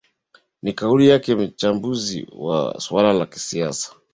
ni kauli yake mchambuzi wa masuala ya siasa